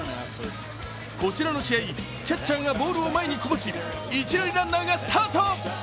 こちらの試合、キャッチャーがボールを前にこぼし一塁ランナーがスタート。